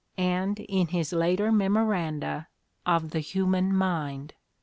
and in his later memoranda, of the human mind.